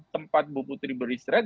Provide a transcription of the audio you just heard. tempat bu putri beristirahat